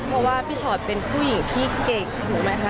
เพราะว่าพี่ชอตเป็นผู้หญิงที่เก่งถูกไหมคะ